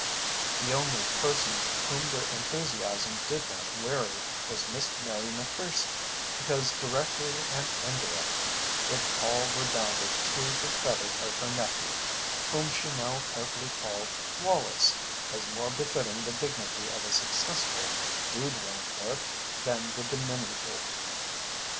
The only person whom their enthusiasm did not weary was Miss Mary Macpherson, because directly and indirectly it all redounded to the credit of her nephew, whom she now carefully called Wallace, as more befitting the dignity of a successful "Dude Wrangler" than the diminutive.